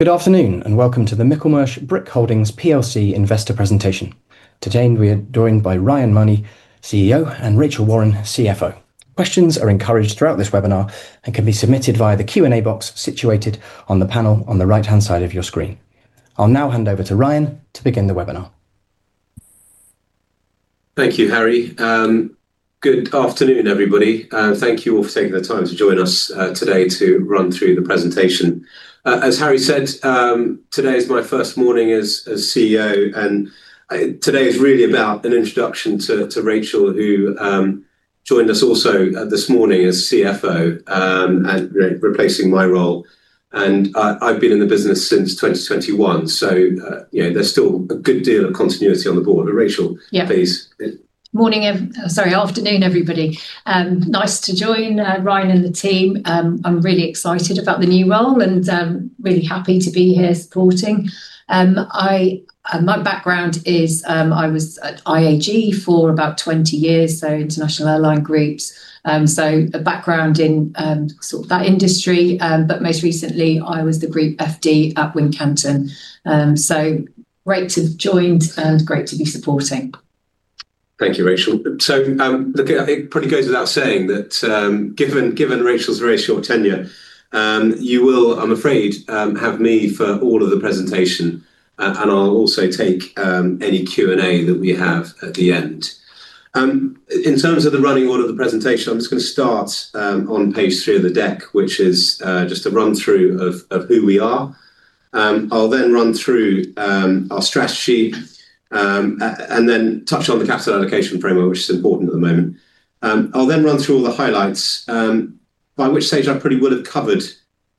Good afternoon and welcome to the Michelmersh Brick Holdings PLC Investor Presentation. Today we are joined by Ryan Mahoney, CEO, and Rachel Warren, CFO. Questions are encouraged throughout this webinar and can be submitted via the Q&A box situated on the panel on the right-hand side of your screen. I'll now hand over to Ryan to begin the webinar. Thank you, Harry. Good afternoon, everybody. Thank you all for taking the time to join us today to run through the presentation. As Harry said, today is my first morning as CEO, and today is really about an introduction to Rachel, who joined us also this morning as CFO, replacing my role. I've been in the business since 2021, so there's still a good deal of continuity on the board. Rachel, please. Morning, sorry, afternoon, everybody. Nice to join Ryan and the team. I'm really excited about the new role and really happy to be here supporting. My background is I was at IAG for about 20 years, so International Airlines Group, so a background in sort of that industry. Most recently, I was the Group Finance Director at Wincanton. Great to have joined and great to be supporting. Thank you, Rachel. It probably goes without saying that given Rachel's very short tenure, you will, I'm afraid, have me for all of the presentation, and I'll also take any Q&A that we have at the end. In terms of the running order of the presentation, I'm just going to start on page three of the deck, which is just a run-through of who we are. I'll then run through our strategy and then touch on the capital allocation framework, which is important at the moment. I'll then run through all the highlights, by which stage I probably would have covered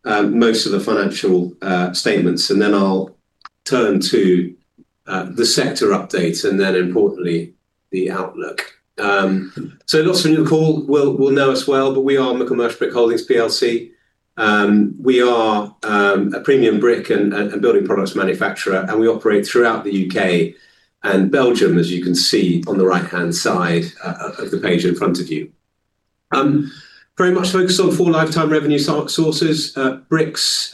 most of the financial statements, and then I'll turn to the sector updates and then, importantly, the outlook. Lots of you will know us well, but we are Michelmersh Brick Holdings PLC. We are a premium brick and building products manufacturer, and we operate throughout the U.K ., and Belgium, as you can see on the right-hand side of the page in front of you. We are very much focused on four lifetime revenue sources: bricks,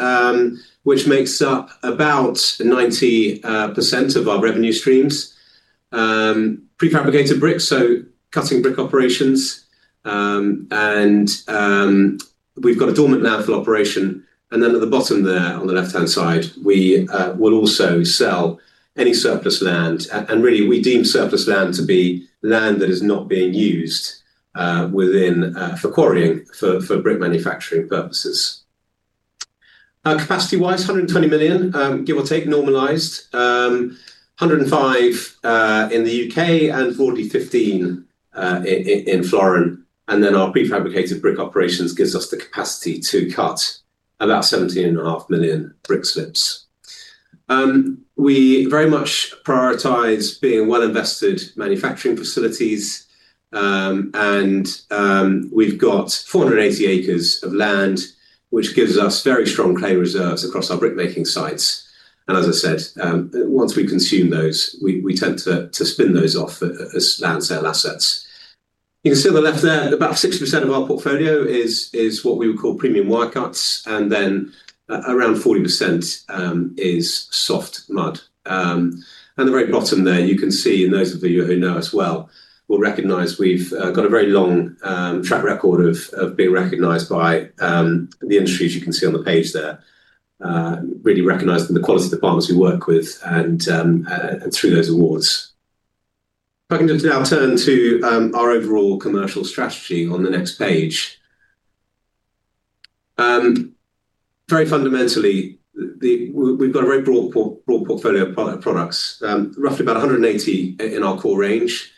which make up about 90% of our revenue streams; prefabricated bricks, so cutting brick operations; and we've got a dormant landfill operation. At the bottom there on the left-hand side, we will also sell any surplus land. We really deem surplus land to be land that is not being used for quarrying for brick manufacturing purposes. Capacity-wise, 120 million, give or take, normalized. 105 in the U.K., and 415 in Florence. Our prefabricated brick operations give us the capacity to cut about 17.5 million brick slips. We very much prioritize being well-invested manufacturing facilities, and we've got 480 acres of land, which gives us very strong clay reserves across our brick-making sites. As I said, once we consume those, we tend to spin those off as land sale assets. You can see on the left there, about 60% of our portfolio is what we would call premium wirecuts, and then around 40% is soft mud. At the very bottom there, you can see, and those of you who know us well will recognize, we've got a very long track record of being recognized by the industries you can see on the page there. We are really recognized in the quality departments we work with and through those awards. I can just now turn to our overall commercial strategy on the next page. Very fundamentally, we've got a very broad portfolio of products, roughly about 180 in our core range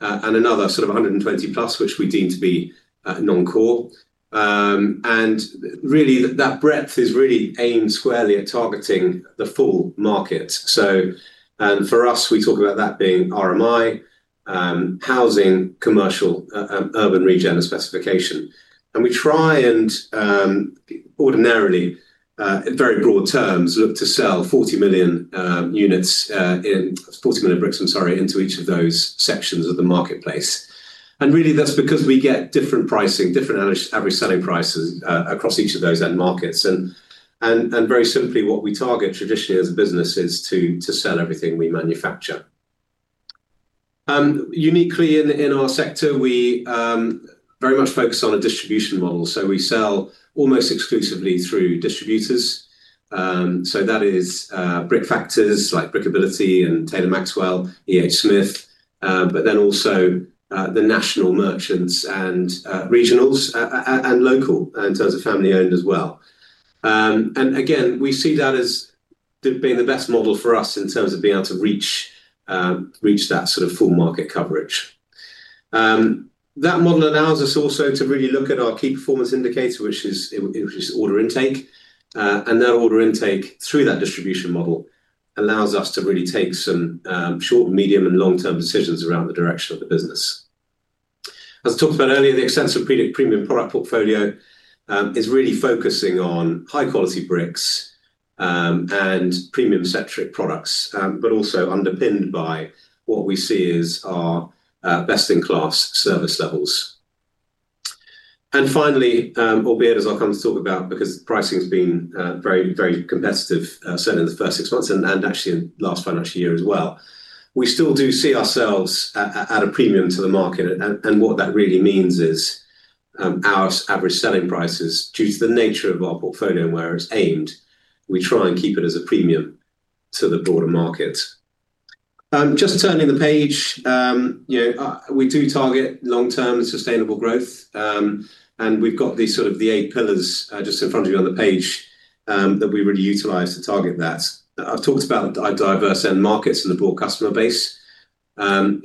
and another sort of 120+, which we deem to be non-core. That breadth is really aimed squarely at targeting the full market. For us, we talk about that being RMI, housing, commercial, urban region, and specification. We try and ordinarily, in very broad terms, look to sell 40 million units, 40 million bricks, into each of those sections of the marketplace. That's because we get different pricing, different average selling prices across each of those end markets. Very simply, what we target traditionally as a business is to sell everything we manufacture. Uniquely in our sector, we very much focus on a distribution model. We sell almost exclusively through distributors. That is brick factors like Brickability and Taylor Maxwell, EH Smith, but then also the national merchants and regionals and local in terms of family-owned as well. We see that as being the best model for us in terms of being able to reach that sort of full market coverage. That model allows us also to really look at our key performance indicator, which is order intake. That order intake through that distribution model allows us to really take some short, medium, and long-term decisions around the direction of the business. As talked about earlier, the extensive premium product portfolio is really focusing on high-quality bricks and premium-centric products, but also underpinned by what we see as our best-in-class service levels. Finally, albeit as I'll come to talk about because pricing has been very, very competitive certainly in the first six months and actually in the last financial year as well, we still do see ourselves at a premium to the market. What that really means is our average selling prices, due to the nature of our portfolio and where it's aimed, we try and keep it as a premium to the broader market. Just turning the page, we do target long-term sustainable growth. We've got these sort of the eight pillars just in front of you on the page that we really utilize to target that. I've talked about our diverse end markets and the broad customer base.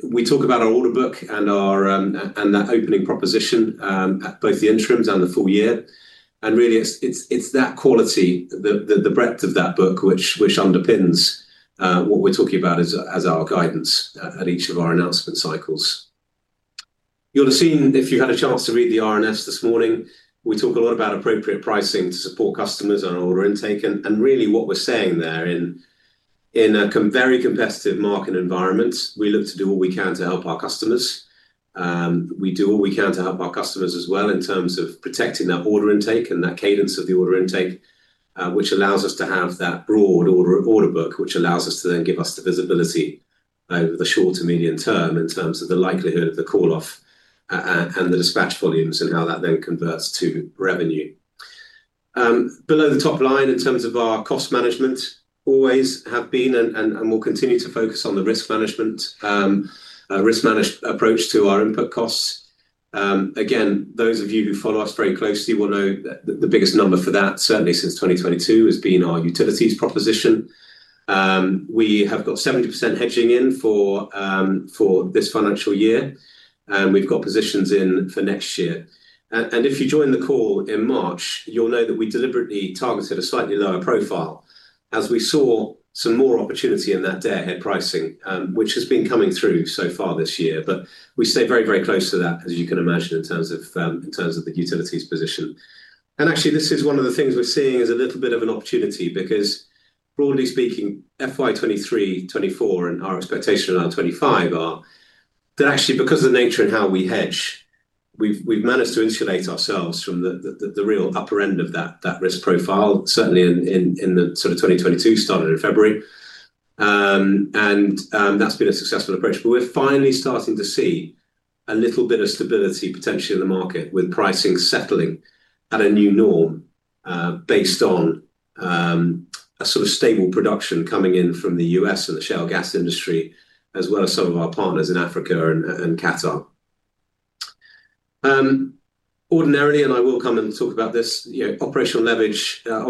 We talk about our order book and our opening proposition at both the interims and the full year. It's that quality, the breadth of that book, which underpins what we're talking about as our guidance at each of our announcement cycles. You'll have seen, if you've had a chance to read the R&S this morning, we talk a lot about appropriate pricing to support customers on order intake. What we're saying there, in a very competitive market environment, is we look to do what we can to help our customers. We do what we can to help our customers as well in terms of protecting that order intake and that cadence of the order intake, which allows us to have that broad order book. This allows us to then give us the visibility over the short to medium term in terms of the likelihood of the call-off and the dispatch volumes and how that then converts to revenue. Below the top line in terms of our cost management, we always have been and will continue to focus on the risk management approach to our input costs. Those of you who follow us very closely will know that the biggest number for that, certainly since 2022, has been our utilities proposition. We have got 70% hedging in for this financial year, and we've got positions in for next year. If you join the call in March, you'll know that we deliberately targeted a slightly lower profile as we saw some more opportunity in that day ahead pricing, which has been coming through so far this year. We stay very, very close to that, as you can imagine, in terms of the utilities position. Actually, this is one of the things we're seeing as a little bit of an opportunity because, broadly speaking, FY23-24 and our expectation on 2025 are that actually, because of the nature and how we hedge, we've managed to insulate ourselves from the real upper end of that risk profile, certainly in the sort of 2022 started in February. That's been a successful approach. We're finally starting to see a little bit of stability potentially in the market with pricing settling at a new norm based on a sort of stable production coming in from the U.S. and the shale gas industry, as well as some of our partners in Africa and Qatar. Ordinarily, I will come and talk about this, operational leverage in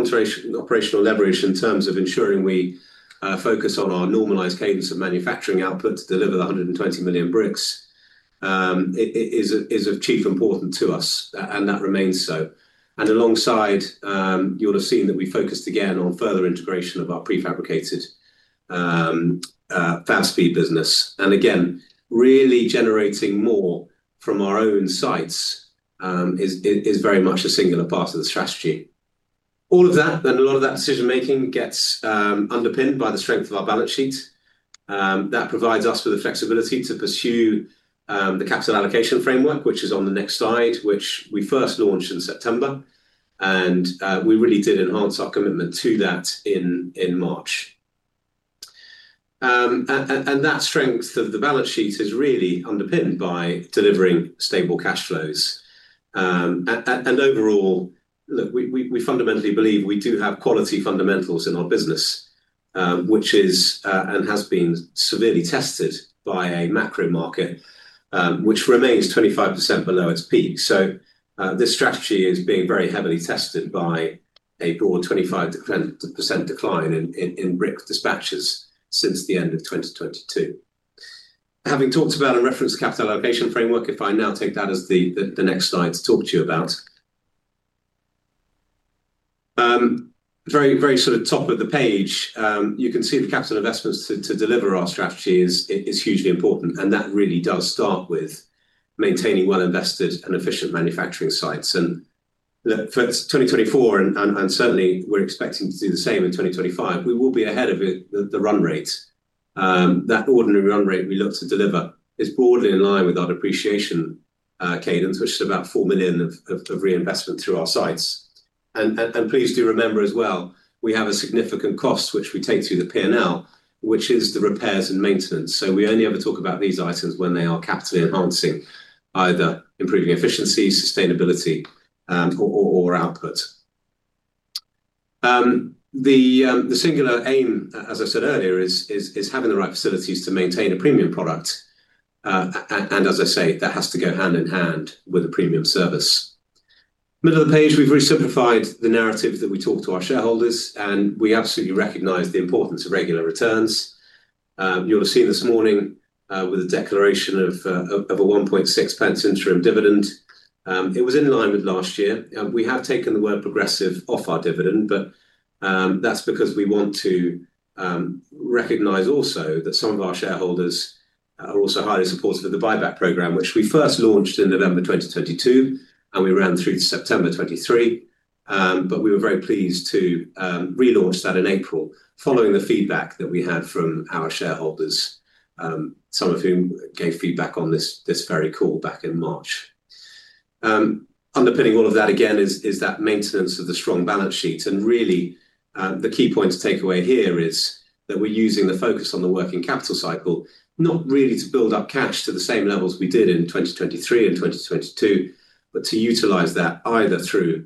terms of ensuring we focus on our normalized cadence of manufacturing output to deliver the 120 million bricks is of chief importance to us, and that remains so. Alongside, you'll have seen that we focused again on further integration of our prefabricated fast feed business. Really generating more from our own sites is very much a singular part of the strategy. All of that, and a lot of that decision-making, gets underpinned by the strength of our balance sheet. That provides us with the flexibility to pursue the capital allocation framework, which is on the next slide, which we first launched in September. We really did enhance our commitment to that in March. That strength of the balance sheet is really underpinned by delivering stable cash flows. Overall, look, we fundamentally believe we do have quality fundamentals in our business, which has been severely tested by a macro market, which remains 25% below its peak. This strategy is being very heavily tested by a broad 25% decline in brick dispatches since the end of 2022. Having talked about and referenced the capital allocation framework, if I now take that as the next slide to talk to you about. Very, very sort of top of the page, you can see the capital investments to deliver our strategy is hugely important. That really does start with maintaining well-invested and efficient manufacturing sites. For 2024, and certainly we're expecting to do the same in 2025, we will be ahead of the run rate. That ordinary run rate we look to deliver is broadly in line with our depreciation cadence, which is about £4 million of reinvestment through our sites. Please do remember as well, we have a significant cost which we take through the P&L, which is the repairs and maintenance. We only ever talk about these items when they are capitally enhancing, either improving efficiency, sustainability, and or output. The singular aim, as I said earlier, is having the right facilities to maintain a premium product. As I say, that has to go hand in hand with a premium service. Middle of the page, we've really simplified the narrative that we talk to our shareholders, and we absolutely recognize the importance of regular returns. You'll have seen this morning with a declaration of a 1.6p interim dividend. It was in line with last year. We have taken the word progressive off our dividend, but that's because we want to recognize also that some of our shareholders are also highly supportive of the buyback program, which we first launched in November 2022, and we ran through to September 2023. We were very pleased to relaunch that in April, following the feedback that we had from our shareholders, some of whom gave feedback on this very call back in March. Underpinning all of that, again, is that maintenance of the strong balance sheet. The key points to take away here are that we're using the focus on the working capital cycle, not really to build up cash to the same levels we did in 2023 and 2022, but to utilize that either through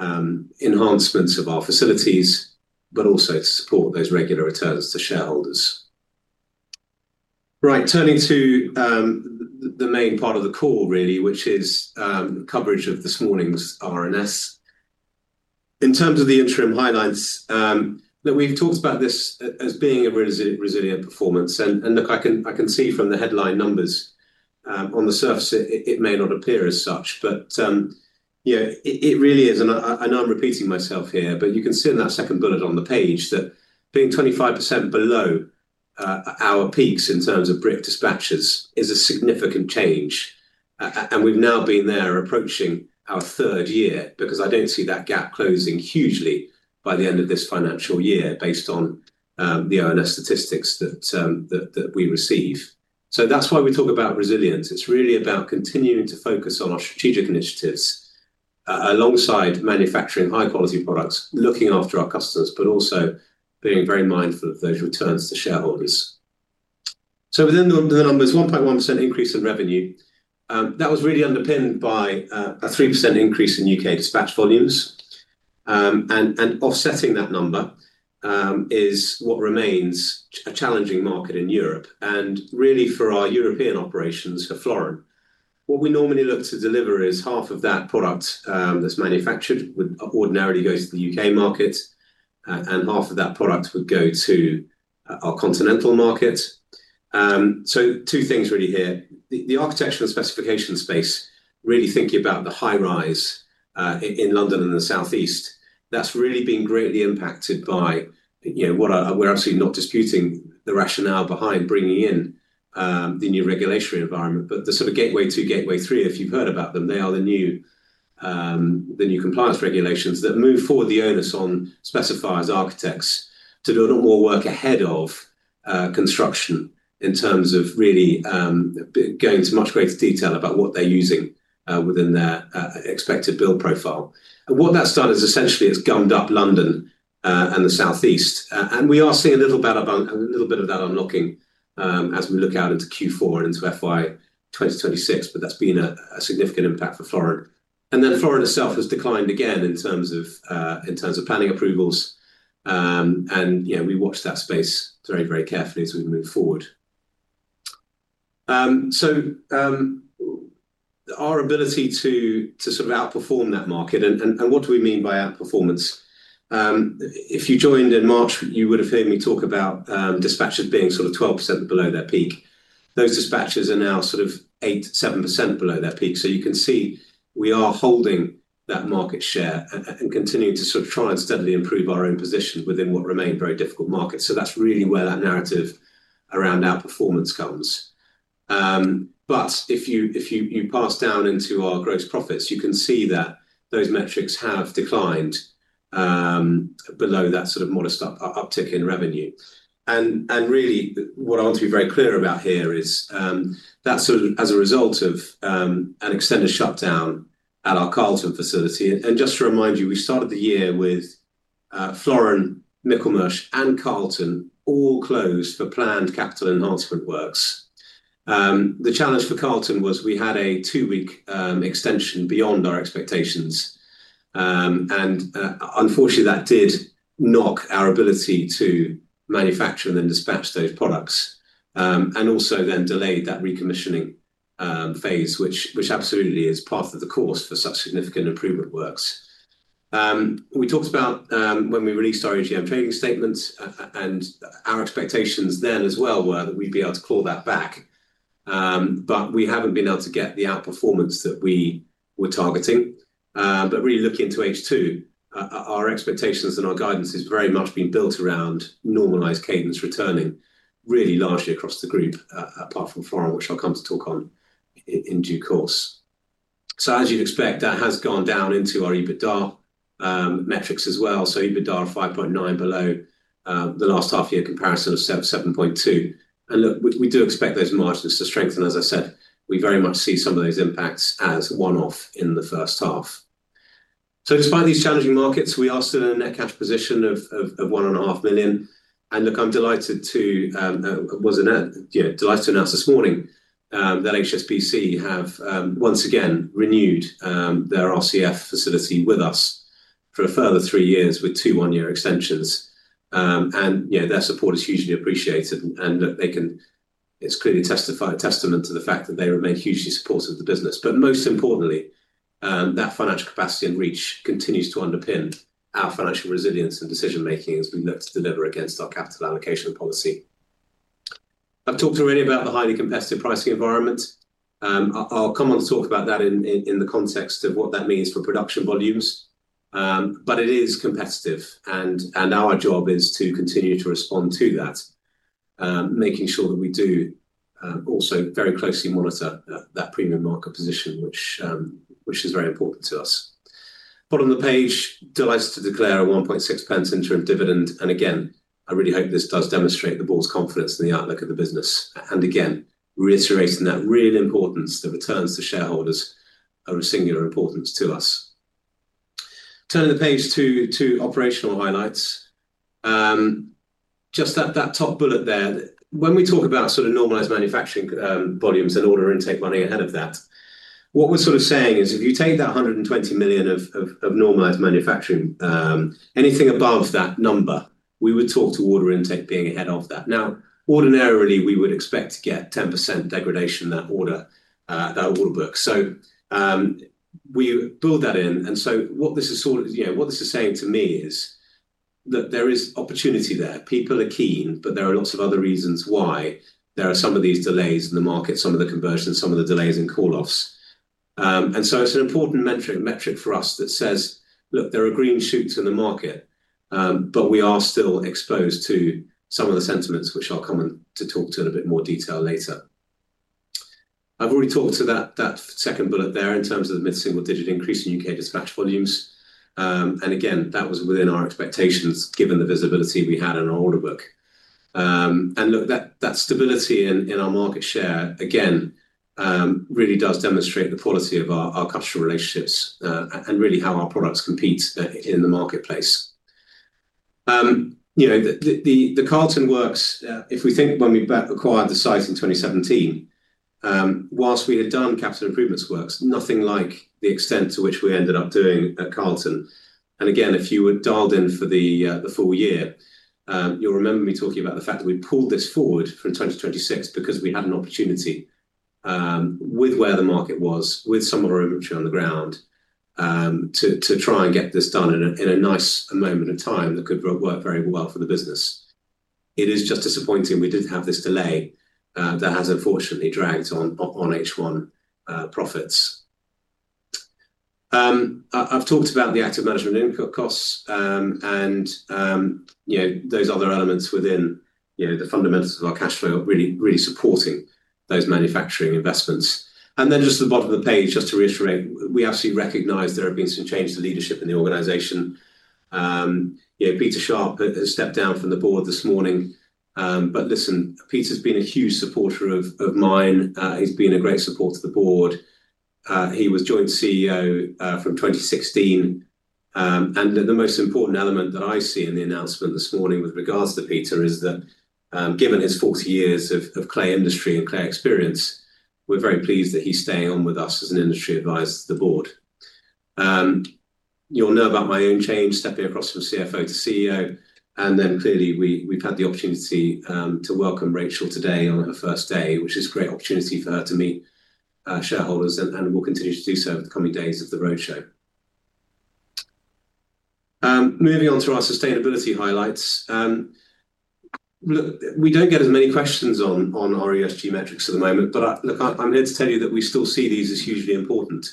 enhancements of our facilities, but also to support those regular returns to shareholders. Turning to the main part of the call, which is coverage of this morning's R&S, in terms of the interim highlights, we've talked about this as being a resilient performance. I can see from the headline numbers, on the surface, it may not appear as such, but it really is, and I'm repeating myself here, but you can see in that second bullet on the page that being 25% below our peaks in terms of brick dispatches is a significant change. We've now been there approaching our third year because I don't see that gap closing hugely by the end of this financial year based on the R&S statistics that we receive. That's why we talk about resilience. It's really about continuing to focus on our strategic initiatives alongside manufacturing high-quality products, looking after our customers, but also being very mindful of those returns to shareholders. Within the numbers, 1.1% increase in revenue was really underpinned by a 3% increase in U.K., dispatch volumes. Offsetting that number is what remains a challenging market in Europe. For our European operations for Florence, what we normally look to deliver is half of that product that's manufactured would ordinarily go to the U.K., market, and half of that product would go to our continental market. Two things really here. The architectural specification space, really thinking about the high-rise in London and the Southeast, has been greatly impacted by what we're absolutely not disputing, the rationale behind bringing in the new regulatory environment, but the sort of Gateway 2, Gateway 3, if you've heard about them, they are the new compliance regulations that move forward the onus on specifiers, architects, to do a lot more work ahead of construction in terms of really going to much greater detail about what they're using within their expected build profile. What that's done is essentially it's gummed up London and the Southeast. We are seeing a little bit of that unlocking as we look out into Q4 and into FY 2026, but that's been a significant impact for Florence. Florence itself has declined again in terms of planning approvals. We watch that space very, very carefully as we move forward. Our ability to sort of outperform that market, and what do we mean by outperformance? If you joined in March, you would have heard me talk about dispatches being sort of 12% below their peak. Those dispatches are now sort of 8%, 7% below their peak. You can see we are holding that market share and continuing to sort of try and steadily improve our own position within what remained very difficult markets. That is really where that narrative around outperformance comes. Plus, if you pass down into our gross profits, you can see that those metrics have declined below that sort of modest uptick in revenue. What I want to be very clear about here is that's as a result of an extended shutdown at our Carlton facility. Just to remind you, we started the year with Florence, Michelmers, and Carlton all closed for planned capital enhancement works. The challenge for Carlton was we had a two-week extension beyond our expectations. Unfortunately, that did knock our ability to manufacture and then dispatch those products, and also then delayed that recommissioning phase, which absolutely is part of the course for such significant improvement works. We talked about when we released our AGM trading statements, and our expectations then as well were that we'd be able to claw that back. We haven't been able to get the outperformance that we were targeting. Really looking into H2, our expectations and our guidance have very much been built around normalized cadence returning really largely across the group, apart from Florence, which I'll come to talk on in due course. As you'd expect, that has gone down into our EBITDA metrics as well. EBITDA are £ 5.9 million below the last half-year comparison of £ 7.2 million. We do expect those margins to strengthen. As I said, we very much see some of those impacts as one-off in the first half. Despite these challenging markets, we are still in a net cash position of £1.5 million. I'm delighted to announce this morning that HSBC have once again renewed their revolving credit facility with us for a further three years with two one-year extensions. Their support is hugely appreciated. It is clearly a testament to the fact that they remain hugely supportive of the business. Most importantly, that financial capacity and reach continues to underpin our financial resilience and decision-making as we look to deliver against our capital allocation policy. I've talked already about the highly competitive pricing environment. I'll come on to talk about that in the context of what that means for production volumes. It is competitive, and our job is to continue to respond to that, making sure that we do also very closely monitor that premium market position, which is very important to us. At the bottom of the page, delighted to declare a £1.60 interim dividend. I really hope this does demonstrate the board's confidence in the outlook of the business. Reiterating that real importance, the returns to shareholders are of singular importance to us. Turning the page to operational highlights. Just that top bullet there, when we talk about sort of normalized manufacturing volumes and order intake running ahead of that, what we're sort of saying is if you take that £120 million of normalized manufacturing, anything above that number, we would talk to order intake being ahead of that. Ordinarily, we would expect to get 10% degradation in that order book. We pulled that in. What this is saying to me is that there is opportunity there. People are keen, but there are lots of other reasons why there are some of these delays in the market, some of the conversions, some of the delays in call-offs. It is an important metric for us that says, look, there are green shoots in the market, but we are still exposed to some of the sentiments, which I'll come to talk to in a bit more detail later. I've already talked to that second bullet there in terms of the mid-single digit increase in U.K., dispatch volumes. That was within our expectations given the visibility we had in our order book. That stability in our market share really does demonstrate the quality of our cultural relationships and really how our products compete in the marketplace. The Carlton works, if we think of when we acquired the site in 2017, whilst we had done capital improvements works, nothing like the extent to which we ended up doing at Carlton. If you were dialed in for the full year, you'll remember me talking about the fact that we pulled this forward from 2026 because we had an opportunity with where the market was, with some of our inventory on the ground, to try and get this done in a nice moment of time that could work very well for the business. It is just disappointing we did have this delay that has unfortunately dragged on H1 profits. I've talked about the active management input costs and those other elements within the fundamentals of our cash flow really supporting those manufacturing investments. Just at the bottom of the page, to reiterate, we absolutely recognize there have been some changes to leadership in the organization. Peter Sharp has stepped down from the board this morning. Peter's been a huge supporter of mine. He's been a great support to the board. He was joint CEO from 2016. The most important element that I see in the announcement this morning with regards to Peter is that given his 40 years of clay industry and clay experience, we're very pleased that he's staying on with us as an industry advisor to the board. You'll know about my own change stepping across from CFO to CEO. Clearly, we've had the opportunity to welcome Rachel today on her first day, which is a great opportunity for her to meet shareholders and will continue to do so with the coming days of the roadshow. Moving on to our sustainability highlights. We don't get as many questions on our ESG metrics at the moment, but I'm here to tell you that we still see these as hugely important.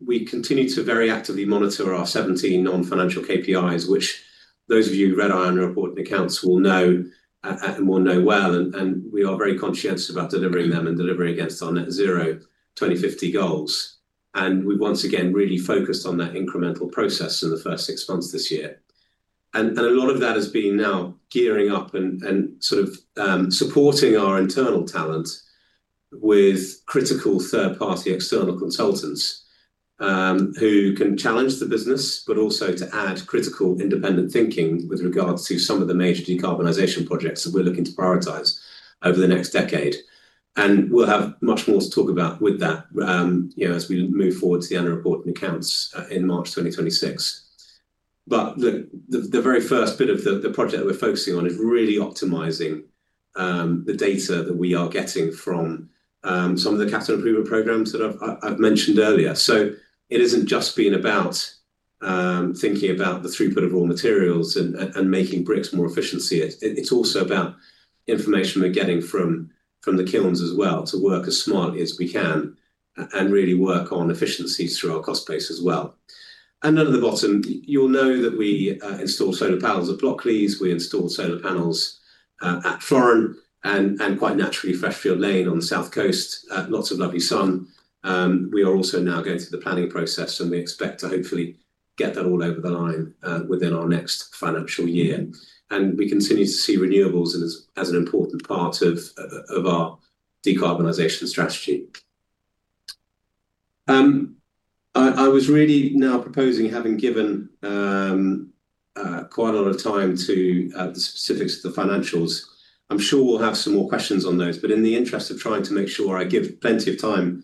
We continue to very actively monitor our 17 non-financial KPIs, which those of you who read our annual report and accounts will know and will know well. We are very conscientious about delivering them and delivering against our net zero 2050 goals. We once again really focused on that incremental process in the first six months this year. A lot of that has been now gearing up and supporting our internal talent with critical third-party external consultants who can challenge the business, but also to add critical independent thinking with regards to some of the major decarbonization projects that we're looking to prioritize over the next decade. We will have much more to talk about with that Brian, we move forward to the annual report and accounts in March 2026. The very first bit of the project that we're focusing on is really optimizing the data that we are getting from some of the capital improvement programs that I mentioned earlier. It isn't just about thinking about the throughput of raw materials and making bricks more efficient. It's also about information we're getting from the kilns as well to work as smartly as we can and really work on efficiencies through our cost base as well. At the bottom, you'll know that we installed solar panels at Blockleys. We installed solar panels at Florence and quite naturally Freshfield Lane on the south coast, lots of lovely sun. We are also now going through the planning process and we expect to hopefully get that all over the line within our next financial year. We continue to see renewables as an important part of our decarbonization strategy. I was really now proposing, having given quite a lot of time to the specifics of the financials, I'm sure we'll have some more questions on those. In the interest of trying to make sure I give plenty of time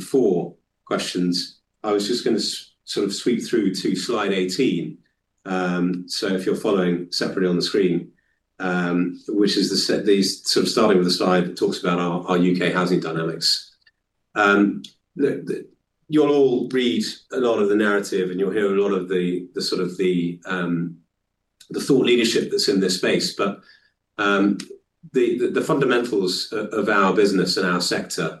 for questions, I was just going to sort of sweep through to slide 18. If you're following separately on the screen, this is the set starting with the slide that talks about our U.K, housing dynamics. You'll all read a lot of the narrative and you'll hear a lot of the thought leadership that's in this space. The fundamentals of our business and our sector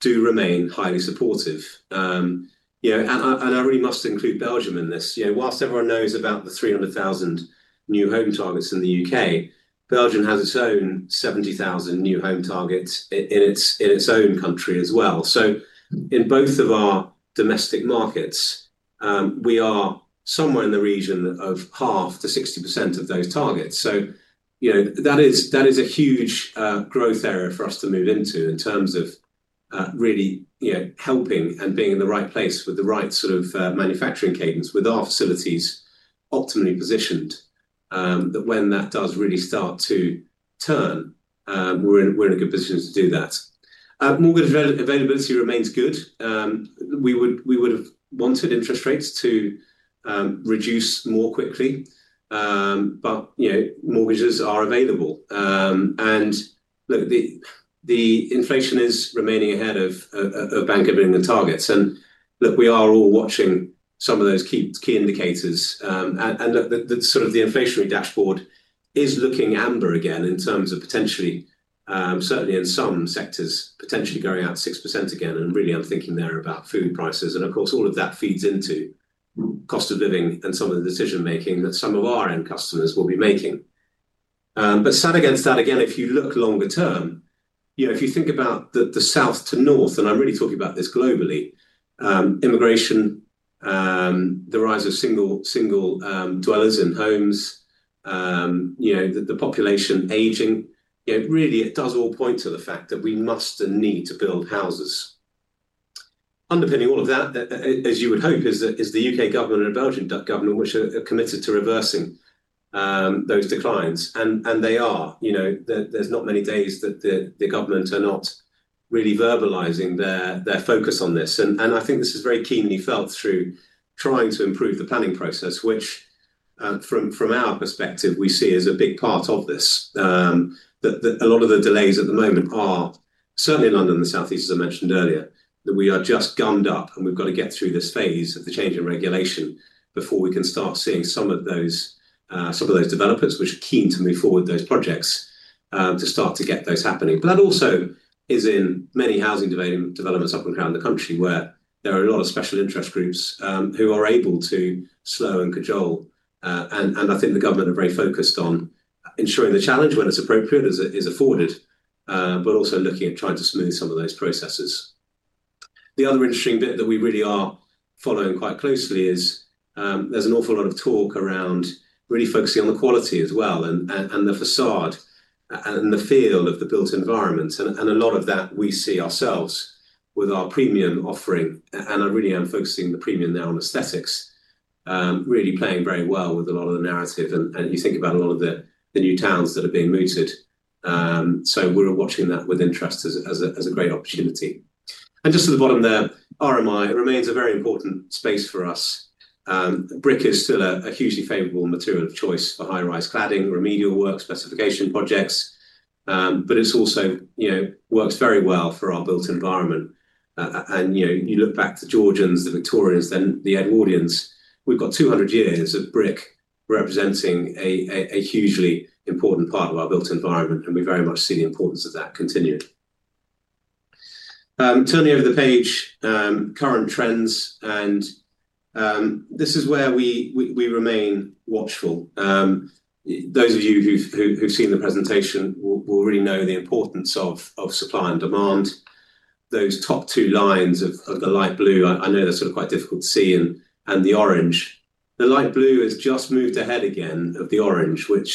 do remain highly supportive. I really must include Belgium in this. Whilst everyone knows about the 300,000 new home targets in the U.K., Belgium has its own 70,000 new home targets in its own country as well. In both of our domestic markets, we are somewhere in the region of half to 60% of those targets. That is a huge growth area for us to move into in terms of really helping and being in the right place with the right sort of manufacturing cadence with our facilities optimally positioned. When that does really start to turn, we're in a good position to do that. Mortgage availability remains good. We would have wanted interest rates to reduce more quickly, but mortgages are available. Inflation is remaining ahead of Bank of England targets. We are all watching some of those key indicators. The inflationary dashboard is looking amber again in terms of potentially, certainly in some sectors, potentially going out 6% again. I'm thinking there about food prices. Of course, all of that feeds into cost of living and some of the decision-making that some of our end customers will be making. Sat against that, again, if you look longer term, you know, if you think about the south to north, and I'm really talking about this globally, immigration, the rise of single dwellers in homes, the population aging, it does all point to the fact that we must and need to build houses. Underpinning all of that, as you would hope, is the U.K., government and Belgian government, which are committed to reversing those declines. There are not many days that the government are not really verbalizing their focus on this. I think this is very keenly felt through trying to improve the planning process, which from our perspective, we see as a big part of this. A lot of the delays at the moment are certainly in London and the Southeast, as I mentioned earlier, that we are just gummed up and we've got to get through this phase of the change in regulation before we can start seeing some of those developments which are keen to move forward with those projects to start to get those happening. That also is in many housing developments up and around the country where there are a lot of special interest groups who are able to slow and cajole. I think the government are very focused on ensuring the challenge when it's appropriate is afforded, but also looking at trying to smooth some of those processes. The other interesting bit that we really are following quite closely is there's an awful lot of talk around really focusing on the quality as well and the facade and the feel of the built environments. A lot of that we see ourselves with our premium offering. I really am focusing the premium now on aesthetics, really playing very well with a lot of the narrative. You think about a lot of the new towns that are being mooted. We're watching that with interest as a great opportunity. Just to the bottom there, RMI remains a very important space for us. Brick is still a hugely favorable material of choice for high-rise cladding, remedial work, specification projects. It also works very well for our built environment. You look back to Georgians, the Victorians, then the Edwardians. We've got 200 years of brick representing a hugely important part of our built environment. We very much see the importance of that continued. Turning over the page, current trends, and this is where we remain watchful. Those of you who've seen the presentation will really know the importance of supply and demand. Those top two lines of the light blue, I know they're sort of quite difficult to see in the orange. The light blue has just moved ahead again of the orange, which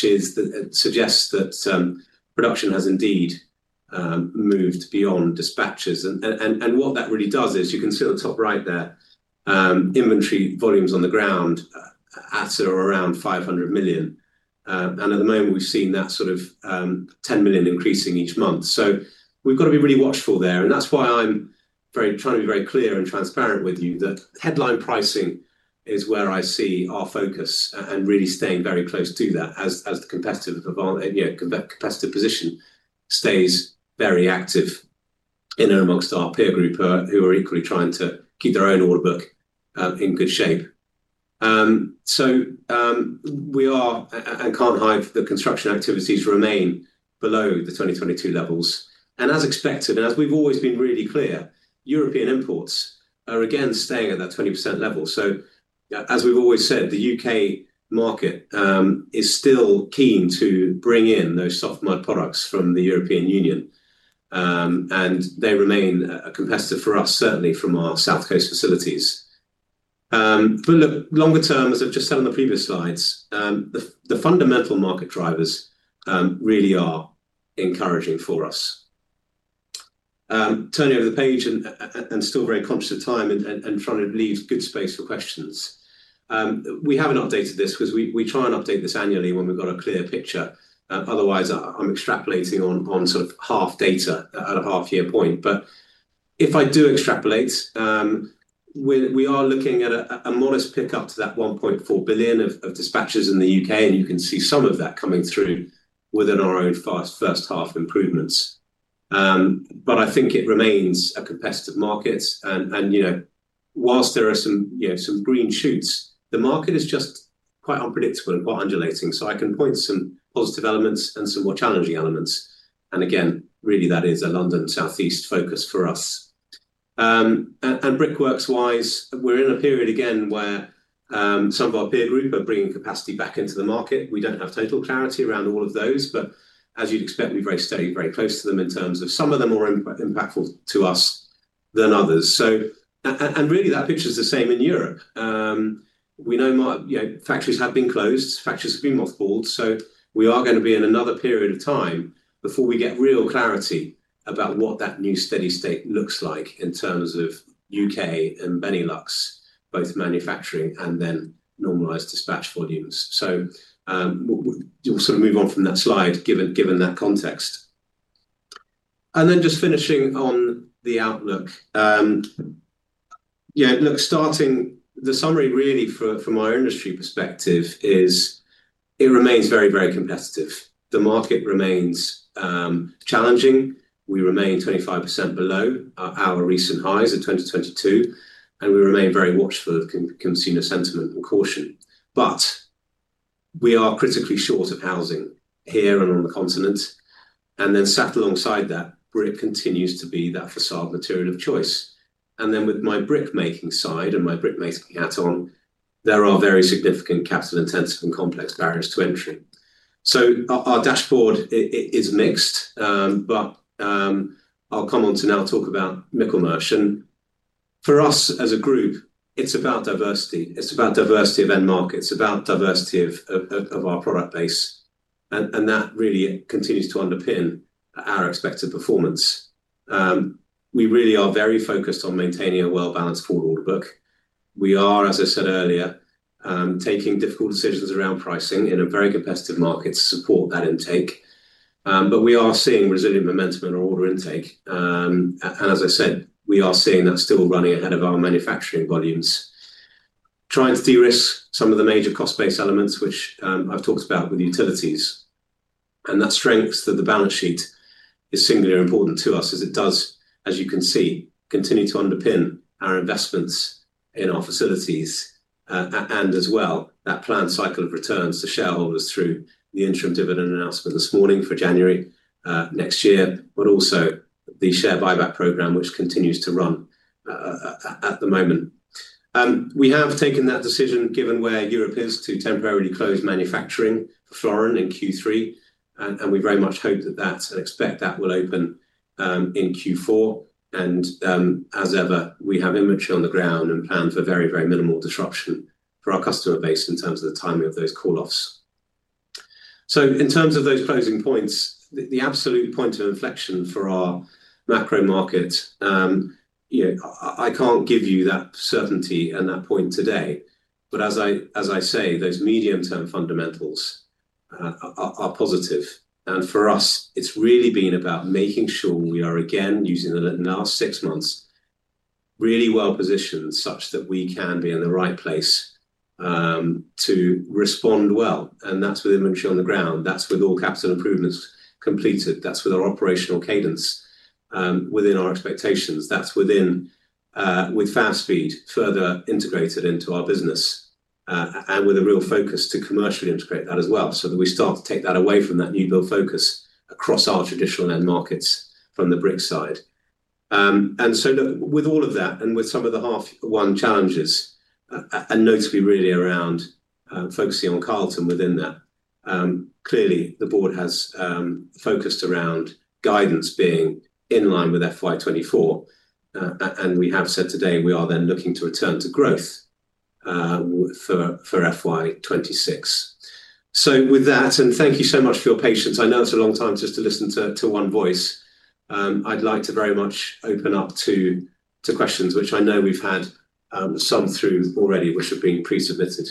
suggests that production has indeed moved beyond dispatches. What that really does is you can see on the top right there, inventory volumes on the ground at or around 500 million. At the moment, we've seen that sort of 10 million increasing each month. We've got to be really watchful there. That's why I'm trying to be very clear and transparent with you that headline pricing is where I see our focus and really staying very close to that as the competitive position stays very active in amongst our peer group who are equally trying to keep their own order book in good shape. We are and can't hide that construction activities remain below the 2022 levels. As expected, and as we've always been really clear, European imports are again staying at that 20% level. As we've always said, the U.K., market is still keen to bring in those soft mud products from the European Union. They remain a competitor for us, certainly from our south coast facilities. Longer term, as I've just said on the previous slides, the fundamental market drivers really are encouraging for us. Turning over the page and still very conscious of time and trying to leave good space for questions. We haven't updated this because we try and update this annually when we've got a clear picture. Otherwise, I'm extrapolating on sort of half data at a half-year point. If I do extrapolate, we are looking at a modest pickup to that 1.4 billion of dispatches in the U.K.. You can see some of that coming through within our own first half improvements. I think it remains a competitive market. You know, whilst there are some green shoots, the market is just quite unpredictable and quite undulating. I can point to some positive elements and some more challenging elements. Again, really, that is a London Southeast focus for us. Brickworks-wise, we're in a period again where some of our peer group are bringing capacity back into the market. We don't have total clarity around all of those, but as you'd expect, we've stayed very close to them in terms of some of them are impactful to us than others. That picture is the same in Europe. We know factories have been closed, factories have been off board. We are going to be in another period of time before we get real clarity about what that new steady state looks like in terms of U.K., and Benelux, both manufacturing and then normalized dispatch volumes. We'll move on from that slide given that context. Just finishing on the outlook, starting the summary really from our industry perspective, it remains very, very competitive. The market remains challenging. We remain 25% below our recent highs of 2022. We remain very watchful of consumer sentiment and caution. We are critically short of housing here and on the continent. Sat alongside that, brick continues to be that facade material of choice. With my brick making side and my brick making hat on, there are very significant capital intensive and complex barriers to entry. Our dashboard is mixed, but I'll come on to now talk about Michelmersh. For us as a group, it's about diversity. It's about diversity of end markets, about diversity of our product base. That really continues to underpin our expected performance. We really are very focused on maintaining a well-balanced forward order book. As I said earlier, we are taking difficult decisions around pricing in a very competitive market to support that intake. We are seeing resilient momentum in order intake, and as I said, we are seeing that still running ahead of our manufacturing volumes. Trying to de-risk some of the major cost-based elements, which I've talked about with utilities. That strength of the balance sheet is singularly important to us as it does, as you can see, continue to underpin our investments in our facilities and as well that planned cycle of returns to shareholders through the interim dividend announcement this morning for January next year, but also the share buyback program, which continues to run at the moment. We have taken that decision given where Europe is to temporarily close manufacturing foreign in Q3. We very much hope that and expect that will open in Q4. As ever, we have imagery on the ground and plan for very, very minimal disruption for our customer base in terms of the timing of those call-offs. In terms of those closing points, the absolute point of inflection for our macro market, I can't give you that certainty and that point today. As I say, those medium-term fundamentals are positive. For us, it's really been about making sure we are again using the last six months really well positioned such that we can be in the right place to respond well. That's with imagery on the ground, with all capital improvements completed, with our operational cadence within our expectations, with fast feed further integrated into our business, and with a real focus to commercially integrate that as well so that we start to take that away from that new build focus across our traditional end markets from the brick side. With all of that and with some of the half one challenges, and notably really around focusing on Carlton within that, clearly the board has focused around guidance being in line with FY24. We have said today we are then looking to return to growth for FY26. Thank you so much for your patience. I know it's a long time just to listen to one voice. I'd like to very much open up to questions, which I know we've had some through already, which have been pre-submitted.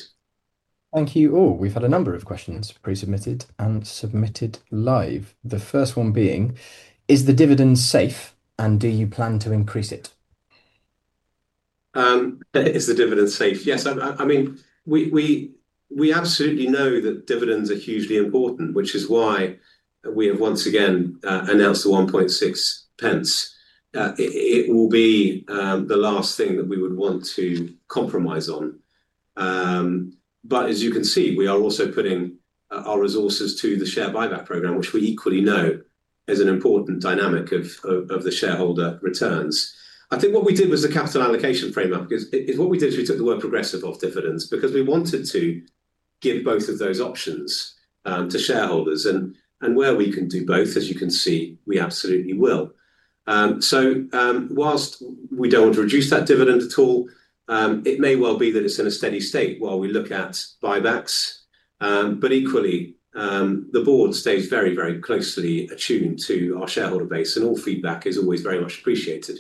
Thank you. We've had a number of questions pre-submitted and submitted live. The first one being, is the dividend safe and do you plan to increase it? Is the dividend safe? Yes, I mean, we absolutely know that dividends are hugely important, which is why we have once again announced the £1.60 cents. It will be the last thing that we would want to compromise on. As you can see, we are also putting our resources to the share buyback program, which we equally know is an important dynamic of the shareholder returns. I think what we did was the capital allocation framework. What we did is we took the word progressive off dividends because we wanted to give both of those options to shareholders. Where we can do both, as you can see, we absolutely will. Whilst we don't want to reduce that dividend at all, it may well be that it's in a steady state while we look at buybacks. Equally, the board stays very, very closely attuned to our shareholder base, and all feedback is always very much appreciated,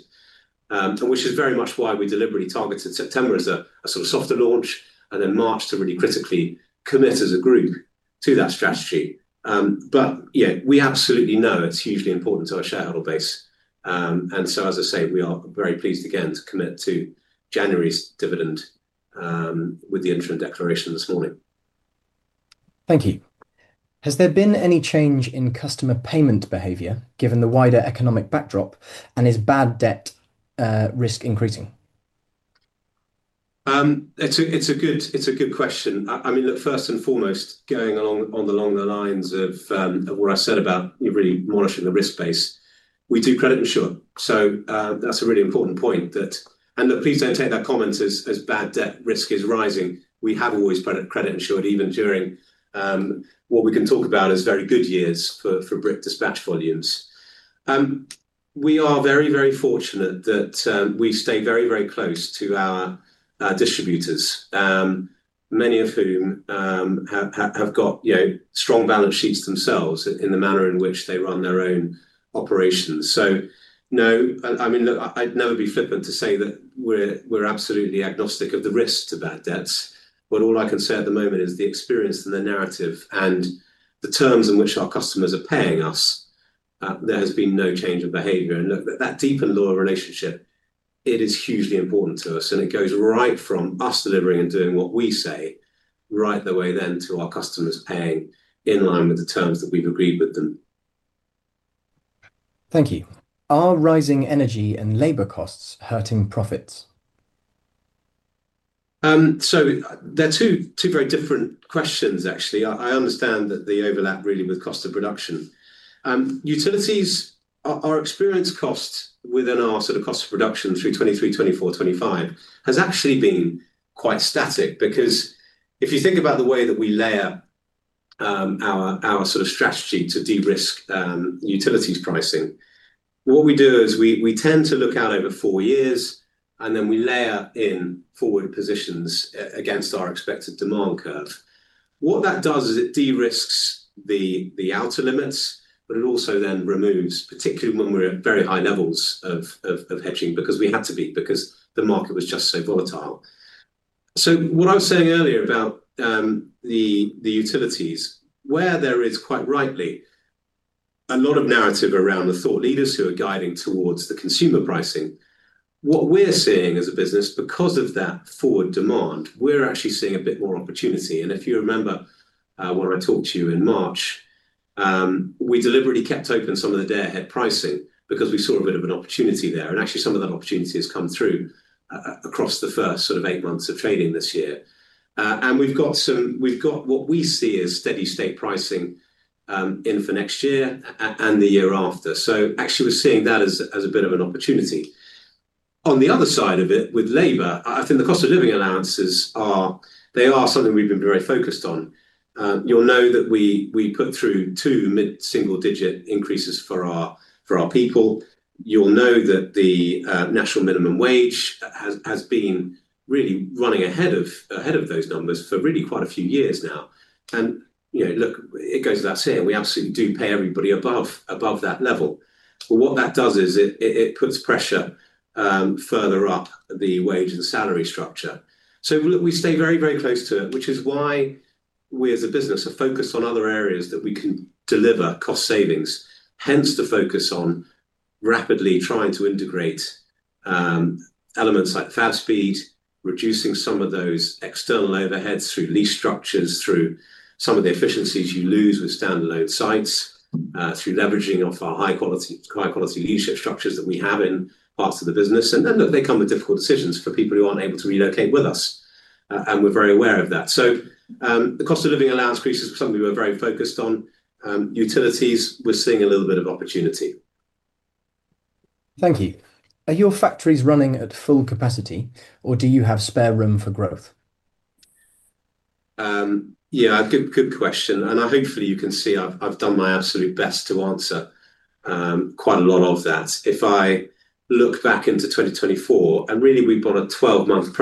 which is very much why we deliberately targeted September as a sort of softer launch and then March to really critically commit as a group to that strategy. We absolutely know it's hugely important to our shareholder base. As I say, we are very pleased again to commit to January's dividend with the interim declaration this morning. Thank you. Has there been any change in customer payment behavior given the wider economic backdrop, and is bad debt risk increasing? It's a good question. I mean, look, first and foremost, going along the lines of what I said about really monitoring the risk base, we do credit insurance. That's a really important point. Please don't take that comment as bad debt risk is rising. We have always credit insured even during what we can talk about as very good years for brick dispatch volumes. We are very, very fortunate that we stay very, very close to our distributors, many of whom have got strong balance sheets themselves in the manner in which they run their own operations. No, I mean, I'd never be flippant to say that we're absolutely agnostic of the risk to bad debts. All I can say at the moment is the experience and the narrative and the terms in which our customers are paying us, there has been no change in behavior. That deep and loyal relationship is hugely important to us. It goes right from us delivering and doing what we say, right the way then to our customers paying in line with the terms that we've agreed with them. Thank you. Are rising energy and labor costs hurting profits? They're two very different questions, actually. I understand that the overlap really with cost of production. Utilities, our experience cost within our sort of cost of production through 2023, 2024, 2025 has actually been quite static because if you think about the way that we layer our sort of strategy to de-risk utilities pricing, what we do is we tend to look out over four years and then we layer in forward positions against our expected demand curve. What that does is it de-risks the outer limits, but it also then removes, particularly when we're at very high levels of hedging because we had to be because the market was just so volatile. What I was saying earlier about the utilities, where there is quite rightly a lot of narrative around the thought leaders who are guiding towards the consumer pricing, what we're seeing as a business because of that forward demand, we're actually seeing a bit more opportunity. If you remember when I talked to you in March, we deliberately kept open some of the day ahead pricing because we saw a bit of an opportunity there. Actually, some of that opportunity has come through across the first sort of eight months of fading this year. We've got what we see as steady state pricing in for next year and the year after. We're seeing that as a bit of an opportunity. On the other side of it with labor, I think the cost of living allowances are something we've been very focused on. You'll know that we put through two mid-single digit increases for our people. You'll know that the national minimum wage has been really running ahead of those numbers for really quite a few years now. It goes without saying, we absolutely do pay everybody above that level. What that does is it puts pressure further up the wage and salary structure. We stay very, very close to it, which is why we as a business are focused on other areas that we can deliver cost savings, hence the focus on rapidly trying to integrate elements like fast speed, reducing some of those external overheads through lease structures, through some of the efficiencies you lose with standalone sites, through leveraging off our high-quality leadership structures that we have in parts of the business. They come with difficult decisions for people who aren't able to relocate with us. We're very aware of that. The cost of living allowance increases is something we're very focused on. Utilities, we're seeing a little bit of opportunity. Thank you. Are your factories running at full capacity, or do you have spare room for growth? Good question. Hopefully, you can see I've done my absolute best to answer quite a lot of that. If I look back into 2024, we've got a 12-month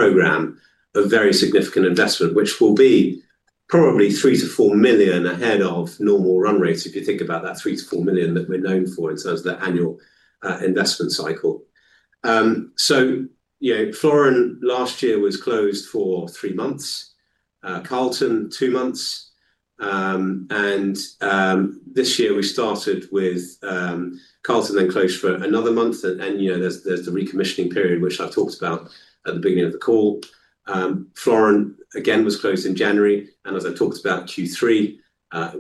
program of very significant investment, which will be probably £3 million to £4 million ahead of normal run rates. If you think about that, £3 million- £4 million that we're known for in terms of the annual investment cycle. Florence last year was closed for three months, Carlton two months, and this year we started with Carlton then closed for another month. There's the recommissioning period, which I've talked about at the beginning of the call. Florence again was closed in January, and as I talked about Q3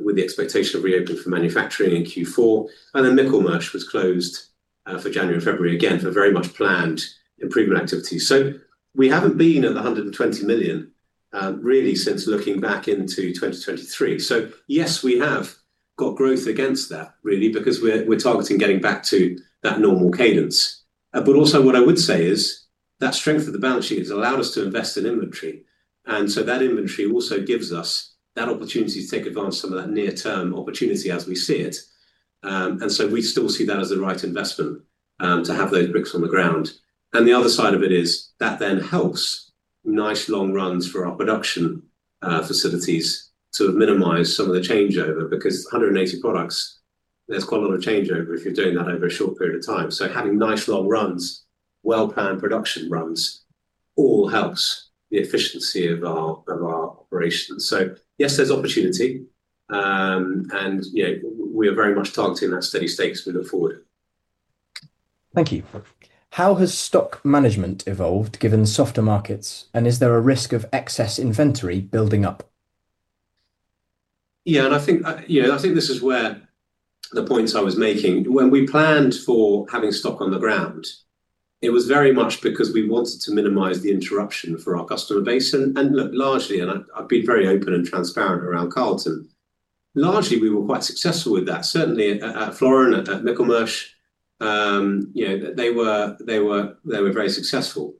with the expectation of reopening for manufacturing in Q4, and then Michelmersh was closed for January and February again for very much planned improvement activities. We haven't been at the £120 million really since looking back into 2023. Yes, we have got growth against that really because we're targeting getting back to that normal cadence. What I would say is that strength of the balance sheet has allowed us to invest in inventory. That inventory also gives us that opportunity to take advantage of some of that near-term opportunity as we see it. We still see that as the right investment to have those bricks on the ground. The other side of it is that then helps nice long runs for our production facilities to minimize some of the changeover because 180 products, there's quite a lot of changeover if you're doing that over a short period of time. Having nice long runs, well-planned production runs all helps the efficiency of our operations. Yes, there's opportunity, and we are very much targeting that steady state as we look forward. Thank you. How has stock management evolved given softer markets, and is there a risk of excess inventory building up? Yeah, I think this is where the points I was making. When we planned for having stock on the ground, it was very much because we wanted to minimize the interruption for our customer base. Look, largely, and I've been very open and transparent around Carlton, largely we were quite successful with that. Certainly at Florence, at Michelmersh, they were very successful.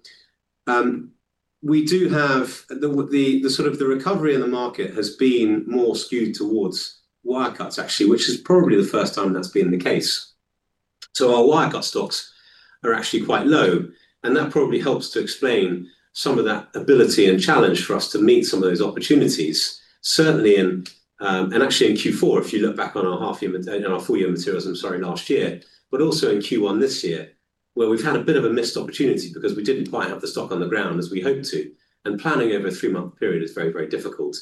We do have the sort of the recovery in the market has been more skewed towards wirecuts, actually, which is probably the first time that's been the case. Our wirecut stocks are actually quite low, and that probably helps to explain some of that ability and challenge for us to meet some of those opportunities, certainly in, and actually in Q4, if you look back on our half-year and our full-year materials, I'm sorry, last year, but also in Q1 this year, where we've had a bit of a missed opportunity because we didn't quite have the stock on the ground as we hoped to. Planning over a three-month period is very, very difficult.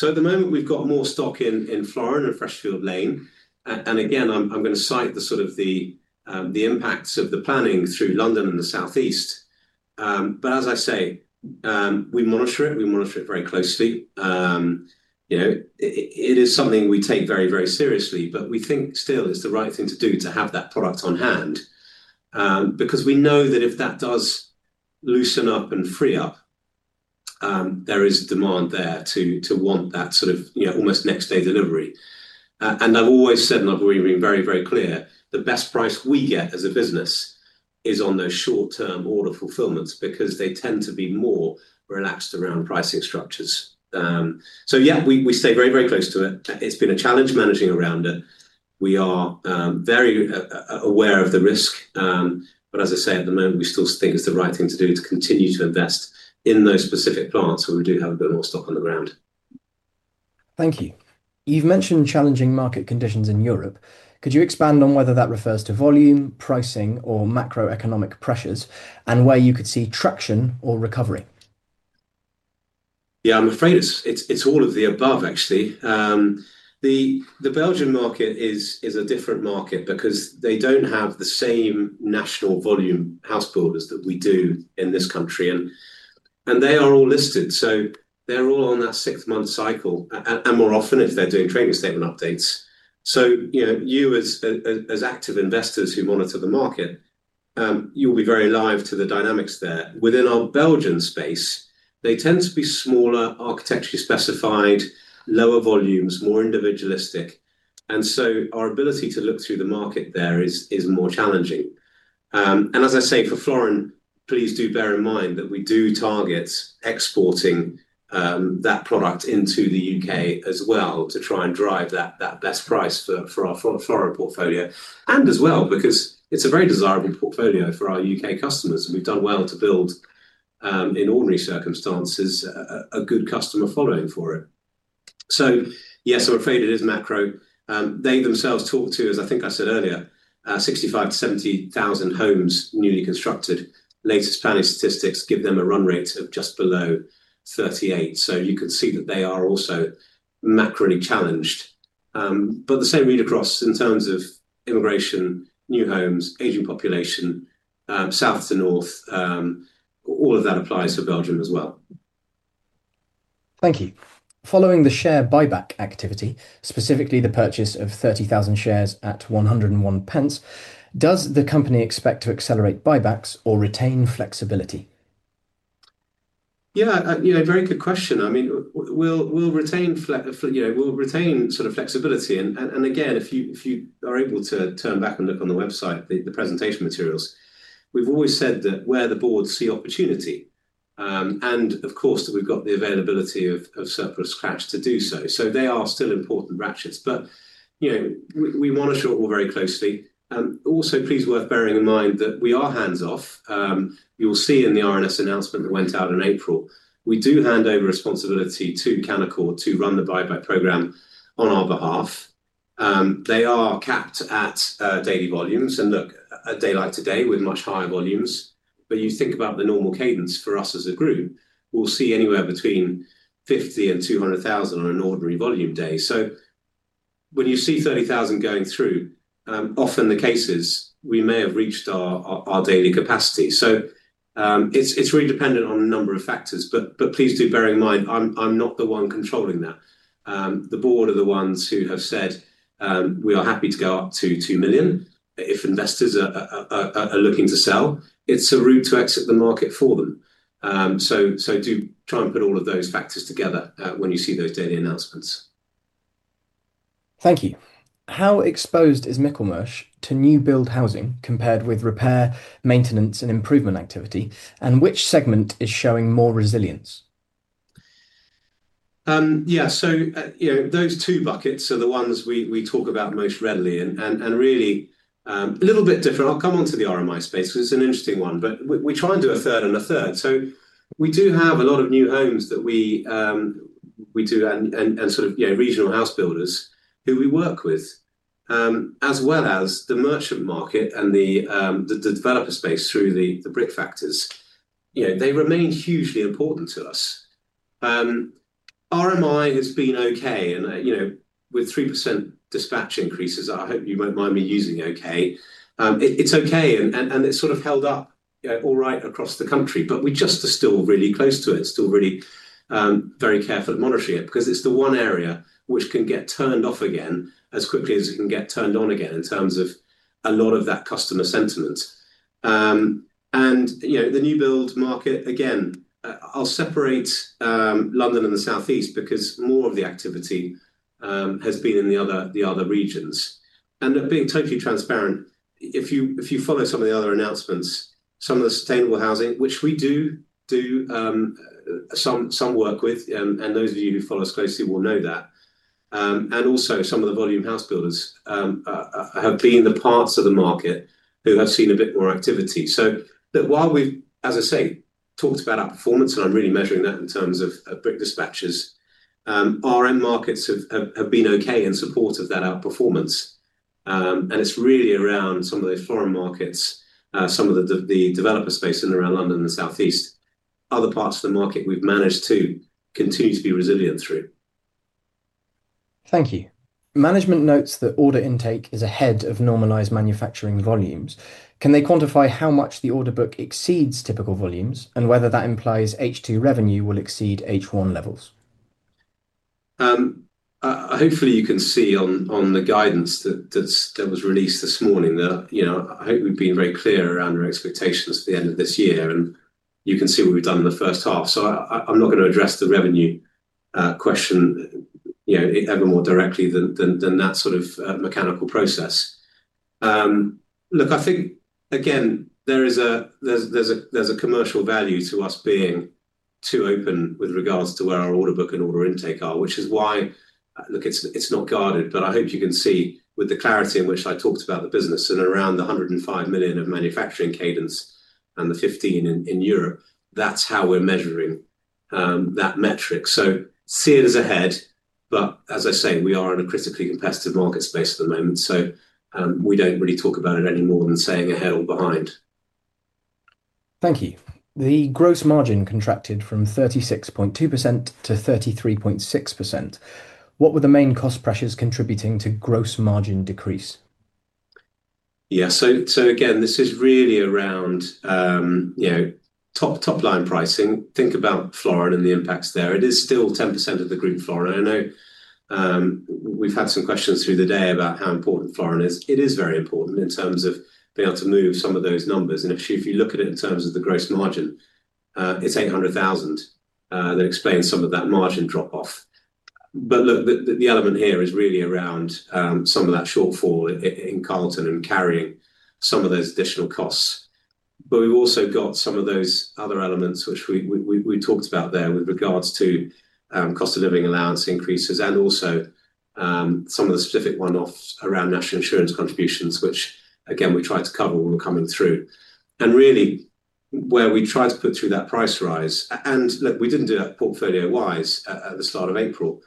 At the moment, we've got more stock in Florence and Freshfield Lane. Again, I'm going to cite the sort of the impacts of the planning through London and the Southeast. As I say, we monitor it, we monitor it very closely. It is something we take very, very seriously, but we think still it's the right thing to do to have that product on hand because we know that if that does loosen up and free up, there is demand there to want that sort of almost next-day delivery. I've always said, and I've already been very, very clear, the best price we get as a business is on those short-term order fulfillments because they tend to be more relaxed around pricing structures. Yeah, we stay very, very close to it. It's been a challenge managing around it. We are very aware of the risk. As I say, at the moment, we still think it's the right thing to do to continue to invest in those specific plants where we do have a bit more stock on the ground. Thank you. You've mentioned challenging market conditions in Europe. Could you expand on whether that refers to volume, pricing, or macroeconomic pressures, and where you could see traction or recovery? Yeah, I'm afraid it's all of the above, actually. The Belgian market is a different market because they don't have the same national volume house builders that we do in this country. They are all listed, so they're all on that six-month cycle, and more often if they're doing trading statement updates. You as active investors who monitor the market, you'll be very alive to the dynamics there. Within our Belgian space, they tend to be smaller, architecturally specified, lower volumes, more individualistic. Our ability to look through the market there is more challenging. As I say, for Florence, please do bear in mind that we do target exporting that product into the U.K., as well to try and drive that best price for our foreign portfolio. It's a very desirable portfolio for our U.K., customers. We've done well to build, in ordinary circumstances, a good customer following for it. Yes, I'm afraid it is macro. They themselves talk to, as I think I said earlier, 65,000 to 70,000 homes newly constructed. Latest planning statistics give them a run rate of just below 38,000. You could see that they are also macro-challenged. The same read across in terms of immigration, new homes, aging population, south to north, all of that applies to Belgium as well. Thank you. Following the share buyback activity, specifically the purchase of 30,000 shares at £1.01, does the company expect to accelerate buybacks or retain flexibility? Yeah, very good question. We'll retain sort of flexibility. If you are able to turn back and look on the website, the presentation materials, we've always said that where the board see opportunity, and of course, that we've got the availability of surplus cash to do so. They are still important ratchets. We monitor it all very closely. Also, please worth bearing in mind that we are hands-off. You'll see in the RNS announcement that went out in April, we do hand over responsibility to Canaccord to run the share buyback program on our behalf. They are capped at daily volumes. A day like today with much higher volumes, you think about the normal cadence for us as a group, we'll see anywhere between 50,000 and 200,000 on an ordinary volume day. When you see 30,000 going through, often the case is we may have reached our daily capacity. It's really dependent on a number of factors. Please do bear in mind, I'm not the one controlling that. The board are the ones who have said we are happy to go up to £2 million if investors are looking to sell. It's a route to exit the market for them. Do try and put all of those factors together when you see those daily announcements. Thank you. How exposed is Michelmersh to new build housing compared with repair, maintenance, and improvement activity, and which segment is showing more resilience? Yeah, so those two buckets are the ones we talk about most readily. Really, a little bit different, I'll come on to the RMI space because it's an interesting one, but we try and do a third and a third. We do have a lot of new homes that we do and sort of regional house builders who we work with, as well as the merchant market and the developer space through the brick factors. They remain hugely important to us. RMI has been okay, and with 3% dispatch increases, I hope you won't mind me using okay. It's okay, and it's sort of held up all right across the country, but we're just still really close to it, still really very careful to monitor it because it's the one area which can get turned off again as quickly as it can get turned on again in terms of a lot of that customer sentiment. The new build market, again, I'll separate London and the Southeast because more of the activity has been in the other regions. Being totally transparent, if you follow some of the other announcements, some of the sustainable housing, which we do do some work with, and those of you who follow us closely will know that, and also some of the volume house builders have been the parts of the market who have seen a bit more activity. While we, as I say, talked about our performance, and I'm really measuring that in terms of brick dispatches, our end markets have been okay in support of that outperformance. It's really around some of the foreign markets, some of the developer space in and around London and the Southeast. Other parts of the market we've managed to continue to be resilient through. Thank you. Management notes that order intake is ahead of normalized manufacturing volumes. Can they quantify how much the order book exceeds typical volumes, and whether that implies H2 revenue will exceed H1 levels? Hopefully, you can see on the guidance that was released this morning that I hope we've been very clear around our expectations for the end of this year, and you can see what we've done in the first half. I'm not going to address the revenue question ever more directly than that sort of mechanical process. I think, again, there's a commercial value to us being too open with regards to where our order book and order intake are, which is why it's not guarded, but I hope you can see with the clarity in which I talked about the business and around the £105 million of manufacturing cadence and the £15 million in Europe, that's how we're measuring that metric. See it as ahead, but as I say, we are in a critically competitive market space at the moment, so we don't really talk about it any more than saying ahead or behind. Thank you. The gross margin contracted from 36.2%- 33.6%. What were the main cost pressures contributing to gross margin decrease? Yeah, so again, this is really around top line pricing. Think about Florence and the impacts there. It is still 10% of the group Florence. I know we've had some questions through the day about how important Florence is. It is very important in terms of being able to move some of those numbers. If you look at it in terms of the gross margin, it's £800,000 that explains some of that margin drop-off. The element here is really around some of that shortfall in Carlton and carrying some of those additional costs. We've also got some of those other elements which we talked about there with regards to cost of living allowance increases and also some of the specific one-offs around national insurance contributions, which again, we try to cover when we're coming through. Really, where we try to put through that price rise, we didn't do that portfolio-wise at the start of April.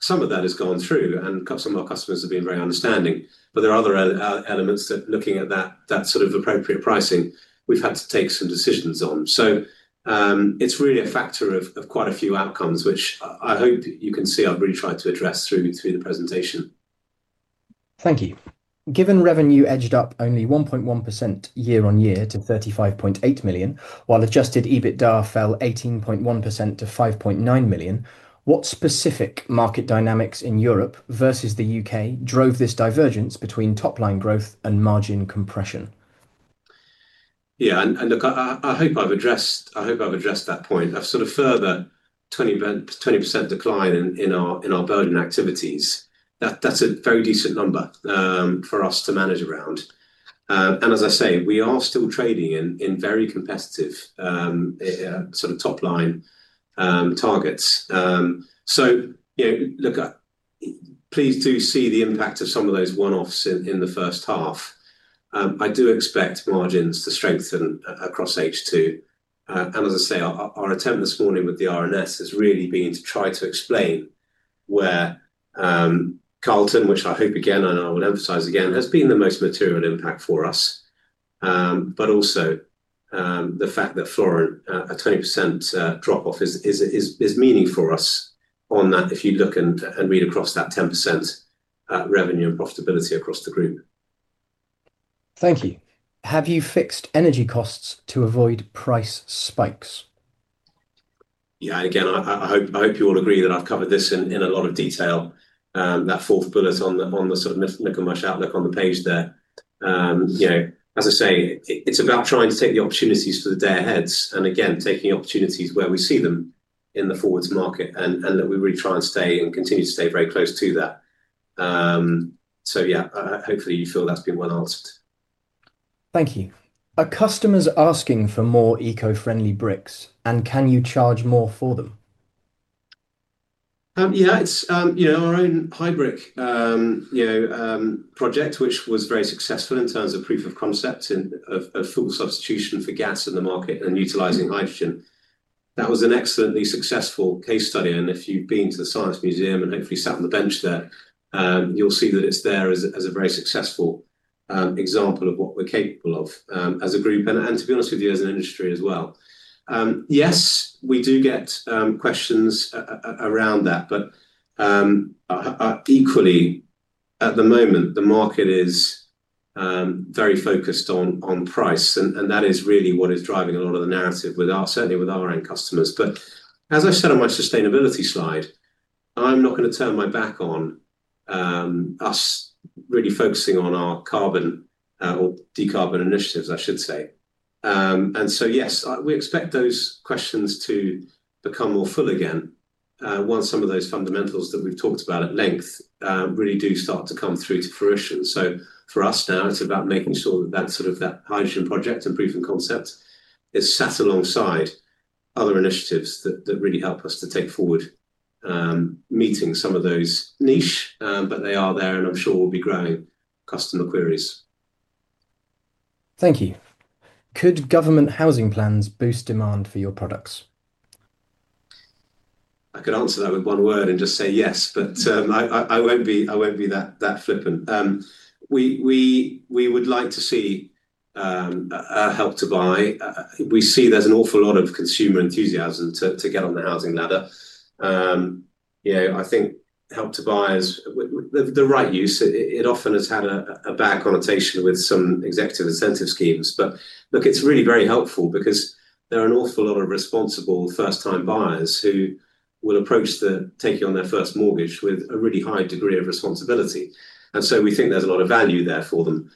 Some of that has gone through and our customers have been very understanding, but there are other elements that looking at that sort of appropriate pricing, we've had to take some decisions on. It's really a factor of quite a few outcomes, which I hope you can see I've really tried to address through the presentation. Thank you. Given revenue edged up only 1.1% year on year to £35.8 million, while adjusted EBITDA fell 18.1% to £5.9 million, what specific market dynamics in Europe versus the U.K. drove this divergence between top line growth and margin compression? Yeah, I hope I've addressed that point. I've sort of further 20% decline in our bowling activities. That's a very decent number for us to manage around. As I say, we are still trading in very competitive sort of top line targets. Please do see the impact of some of those one-offs in the first half. I do expect margins to strengthen across H2. As I say, our attempt this morning with the RNS has really been to try to explain where Carlton, which I hope again, and I will emphasize again, has been the most material impact for us. Also, the fact that Florence, a 20% drop-off is meaning for us on that if you look and read across that 10% revenue and profitability across the group. Thank you. Have you fixed energy costs to avoid price spikes? Yeah, again, I hope you all agree that I've covered this in a lot of detail. That fourth bullet on the sort of Michelmersh outlook on the page there, as I say, it's about trying to take the opportunities for the day ahead and again, taking opportunities where we see them in the forwards market and that we really try and stay and continue to stay very close to that. Hopefully you feel that's been well answered. Thank you. Are customers asking for more eco-friendly bricks, and can you charge more for them? Yeah, it's our own hybrid project, which was very successful in terms of proof of concept and of full substitution for gas in the market and utilizing hydrogen. That was an excellently successful case study. If you've been to the Science Museum and hopefully sat on the bench there, you'll see that it's there as a very successful example of what we're capable of as a group and, to be honest with you, as an industry as well. Yes, we do get questions around that, but equally at the moment, the market is very focused on price. That is really what is driving a lot of the narrative with our, certainly with our end customers. As I've said on my sustainability slide, I'm not going to turn my back on us really focusing on our carbon or decarbonization initiatives, I should say. Yes, we expect those questions to become more full again once some of those fundamentals that we've talked about at length really do start to come through to fruition. For us now, it's about making sure that that sort of hydrogen project and proof of concept is sat alongside other initiatives that really help us to take forward meeting some of those niche, but they are there and I'm sure we'll be growing customer queries. Thank you. Could government housing plans boost demand for your products? I could answer that with one word and just say yes, but I won't be that flippant. We would like to see a help to buy. We see there's an awful lot of consumer enthusiasm to get on the housing ladder. I think help to buy is the right use. It often has had a bad connotation with some executive incentive schemes. Look, it's really very helpful because there are an awful lot of responsible first-time buyers who will approach taking on their first mortgage with a really high degree of responsibility. We think there's a lot of value there for them.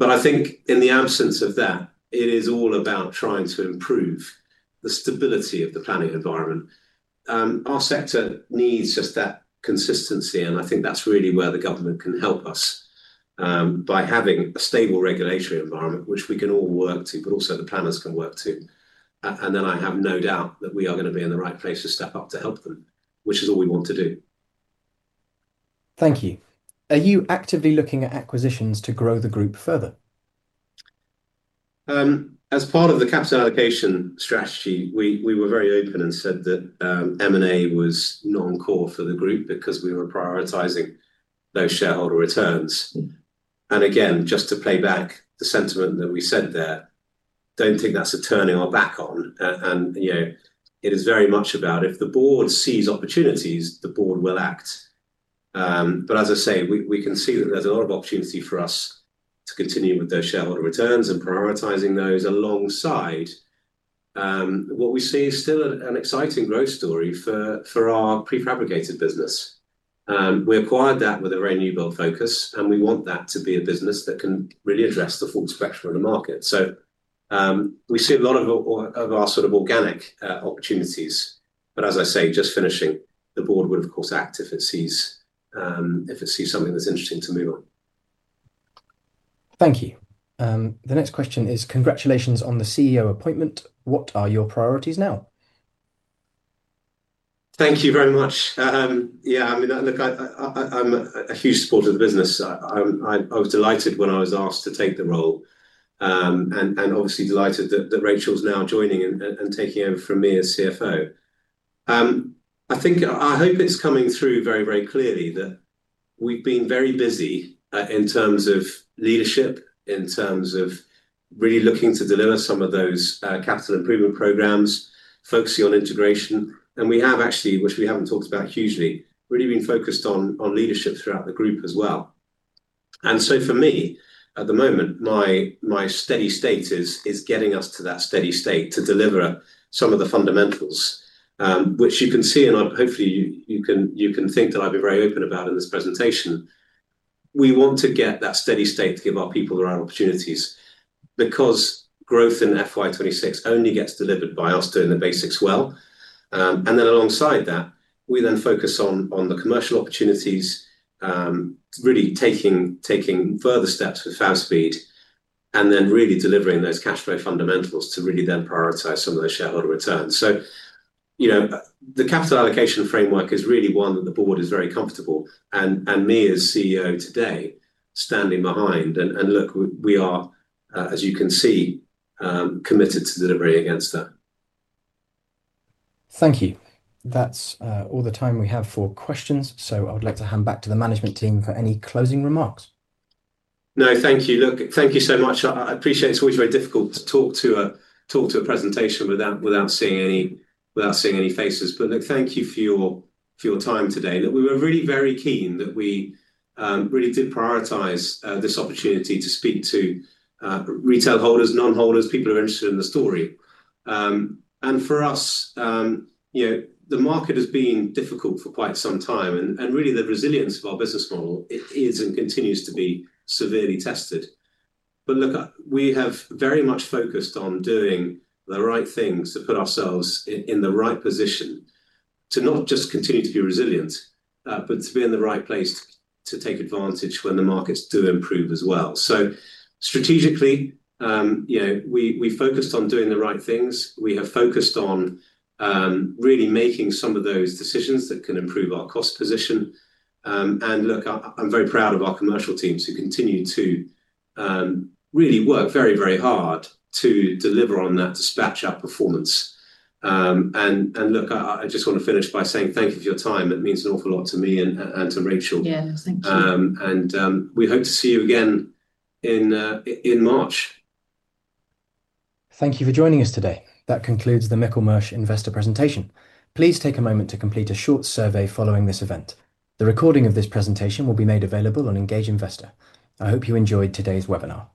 In the absence of that, it is all about trying to improve the stability of the planning environment. Our sector needs just that consistency, and I think that's really where the government can help us by having a stable regulatory environment, which we can all work to, but also the planners can work to. I have no doubt that we are going to be in the right place to step up to help them, which is all we want to do. Thank you. Are you actively looking at acquisitions to grow the group further? As part of the capital allocation strategy, we were very open and said that M&A was non-core for the group because we were prioritizing those shareholder returns. Just to play back the sentiment that we said there, I don't think that's a turning our back on. It is very much about if the board sees opportunities, the board will act. As I say, we can see that there's a lot of opportunity for us to continue with those shareholder returns and prioritizing those alongside what we see is still an exciting growth story for our prefabricated business. We acquired that with a renewable focus, and we want that to be a business that can really address the full spectrum of the market. We see a lot of our sort of organic opportunities. Just finishing, the board would of course act if it sees something that's interesting to move on. Thank you. The next question is, congratulations on the CEO appointment. What are your priorities now? Thank you very much. Yeah, I mean, look, I'm a huge supporter of the business. I was delighted when I was asked to take the role. Obviously, delighted that Rachel's now joining and taking over from me as CFO. I think I hope it's coming through very, very clearly that we've been very busy in terms of leadership, in terms of really looking to deliver some of those capital improvement programs, focusing on integration. We have actually, which we haven't talked about hugely, really been focused on leadership throughout the group as well. For me, at the moment, my steady state is getting us to that steady state to deliver some of the fundamentals, which you can see, and hopefully you can think that I'd be very open about in this presentation. We want to get that steady state to give our people the right opportunities because growth in FY26 only gets delivered by us doing the basics well. Alongside that, we then focus on the commercial opportunities, really taking further steps with fast speed, and really delivering those cash flow fundamentals to really then prioritize some of those shareholder returns. The capital allocation framework is really one that the board is very comfortable. Me as CEO today, standing behind, and look, we are, as you can see, committed to delivery against that. Thank you. That's all the time we have for questions. I would like to hand back to the management team for any closing remarks. No, thank you. Thank you so much. I appreciate it's always very difficult to talk to a presentation without seeing any faces. Thank you for your time today. We were really very keen that we did prioritize this opportunity to speak to retail holders, non-holders, people who are interested in the story. For us, you know, the market has been difficult for quite some time, and the resilience of our business model is and continues to be severely tested. We have very much focused on doing the right things to put ourselves in the right position to not just continue to be resilient, but to be in the right place to take advantage when the markets do improve as well. Strategically, you know, we focused on doing the right things. We have focused on really making some of those decisions that can improve our cost position. I'm very proud of our commercial teams who continue to really work very, very hard to deliver on that dispatch-up performance. I just want to finish by saying thank you for your time. It means an awful lot to me and to Rachel. Yeah, and we hope to see you again in March. Thank you for joining us today. That concludes the Michelmersh Investor Presentation. Please take a moment to complete a short survey following this event. The recording of this presentation will be made available on Engage Investor. I hope you enjoyed today's webinar.